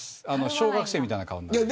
小学生みたいな顔になります。